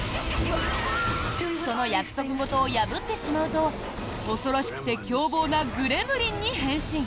その約束事を破ってしまうと恐ろしくて凶暴なグレムリンに変身。